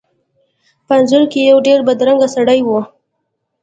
په انځور کې یو ډیر بدرنګه سړی و.